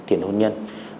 tiền hôn nhân